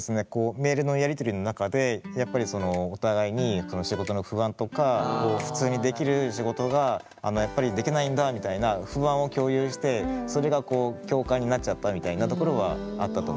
メールのやり取りの中でやっぱりお互いに仕事の不安とか普通にできる仕事がやっぱりできないんだみたいななっちゃったみたいなところはあったと思います。